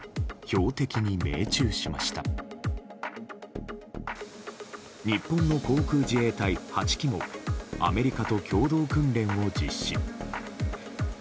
更に、日本の航空自衛隊８機もアメリカと共同訓練を実施。